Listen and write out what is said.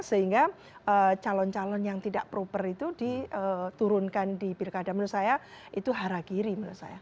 sehingga calon calon yang tidak proper itu diturunkan di pilkada menurut saya itu hara kiri menurut saya